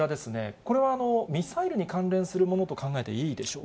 これはミサイルに関連するものと考えていいでしょうか。